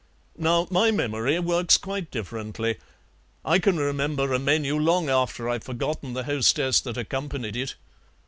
Now my memory works quite differently. I can remember a menu long after I've forgotten the hostess that accompanied it.